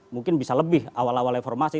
mungkin bisa lebih awal awal reformasi